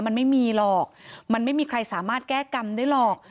มันไม่มีหรอกมันไม่มีใครสามารถแก้กรรมได้หรอก